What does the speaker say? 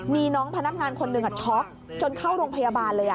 มีน้องพนักงานคนหนึ่งช็อกจนเข้าโรงพยาบาลเลย